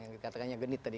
yang dikatakan genit tadi